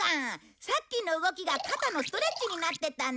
さっきの動きが肩のストレッチになってたんだ。